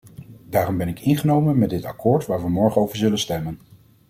Daarom ben ik ingenomen met dit akkoord waar we morgen over zullen stemmen.